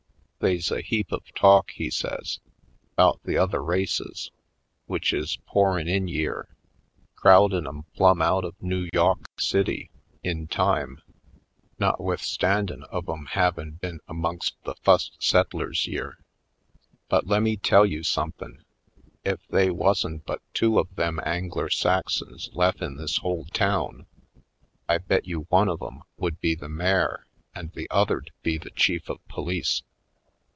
They's a heap of talk," he says, " 'bout the other races, w'ich is pourin' in yere, crowd in' 'em plum out of Noo Yawk City in time, notwithstandin' of 'em havin' been amongst the fust settlers yere. But lemme tell you somethin' : Ef they wuzn' but two of them Angler Saxons lef in this whole town I bet you one of 'em would be the mayor an' the other 'd be the chief of police.